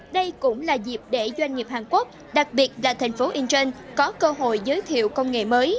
đây cũng là dịp để doanh nghiệp hàn quốc đặc biệt là tp hcm có cơ hội giới thiệu công nghệ mới